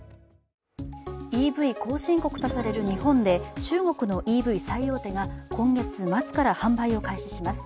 ＥＶ後進国とされる日本で中国のＥＶ最大手が今月末から販売を開始します。